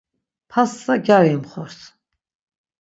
Passa gari imxors.